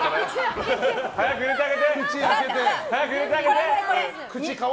早く入れてあげて！